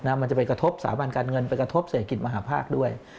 มันจะไปกระทบสถาบันการเงินไปกระทบเศรษฐกิจมหาภาคด้วย